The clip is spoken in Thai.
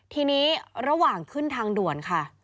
ทีนี้ระหว่างขึ้นทางด่วนค่ะ